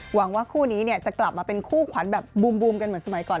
หวังว่าคู่นี้จะกลับมาเป็นคู่ขวัญแบบบูมกันเหมือนสมัยก่อน